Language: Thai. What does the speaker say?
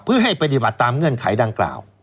เพื่อให้ปฏิบัติตามเงื่อนไขดังกล่าว